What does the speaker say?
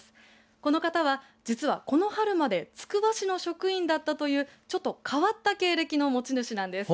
この方は実はこの春までつくば市の職員だったというちょっと変わった経歴の持ち主なんです。